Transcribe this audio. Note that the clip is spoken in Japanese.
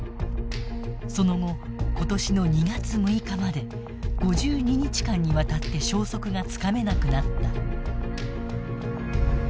その後、今年の２月６日まで５２日間にわたって消息がつかめなくなった。